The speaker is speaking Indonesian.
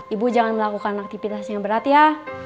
ibu jangan melakukan aktivitas yang berat ya